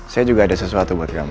saya juga ada sesuatu buat kamu